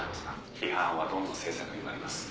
「批判はどんな政策にもあります」